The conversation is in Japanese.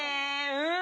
うん。